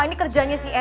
ini kerjanya si enes